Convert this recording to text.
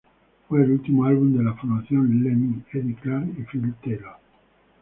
Fue el último álbum de la formación Lemmy, Eddie Clarke y Phil Taylor.